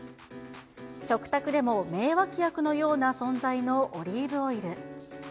食卓でも名脇役のような存在のオリーブオイル。